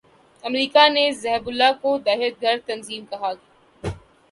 امریکا نے Hezbollah کو دہشت گرد تنظیم کہا ہوا ہے۔